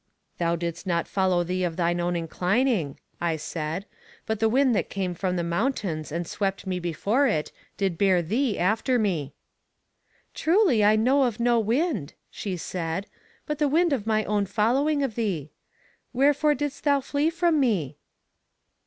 Thou didst not follow me of thine own inclining, I said, but the wind that came from the mountains and swept me before it, did bear thee after me. Truly I know of no wind, she said, but the wind of my own following of thee. Wherefore didst thou flee from me?